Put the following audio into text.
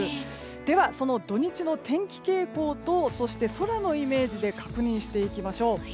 では、その土日の天気傾向と空のイメージで確認していきましょう。